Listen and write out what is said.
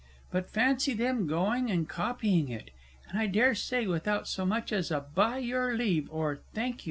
But fancy them going and copying it, and I dare say without so much as a "by your leave," or a "thank you!"